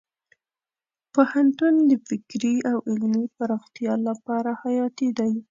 پوهنتون د فکري او علمي پراختیا لپاره حیاتي دی.